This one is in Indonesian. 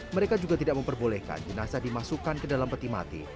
mereka juga tidak memperbolehkan jenazah dimasukkan ke dalam peti mati